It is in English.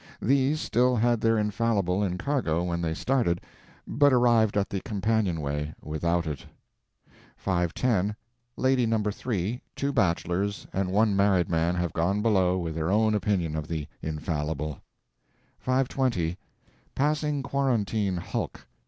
These still had their infallible in cargo when they started, but arrived at the companionway without it. 5.10. Lady No. 3, two bachelors, and one married man have gone below with their own opinion of the infallible. 5.20. Passing Quarantine Hulk.